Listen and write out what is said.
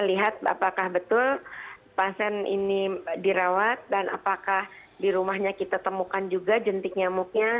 lihat apakah betul pasien ini dirawat dan apakah di rumahnya kita temukan juga jentik nyamuknya